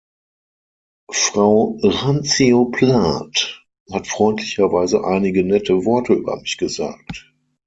Frau Randzio-Plath hat freundlicherweise einige nette Worte über mich gesagt.